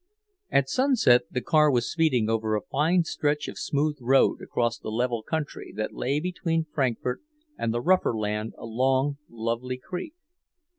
At sunset the car was speeding over a fine stretch of smooth road across the level country that lay between Frankfort and the rougher land along Lovely Creek.